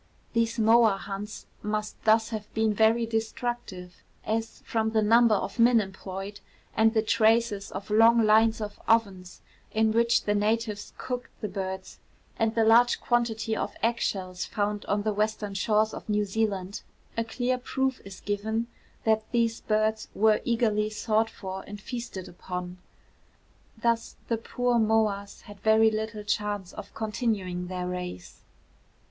These moa hunts must thus have been very destructive; as, from the number of men employed, and the traces of long lines of ovens in which the natives cooked the birds, and the large quantity of egg shells found on the western shores of New Zealand, a clear proof is given that these birds were eagerly sought for and feasted upon. Thus the poor moas had very little chance of continuing their race.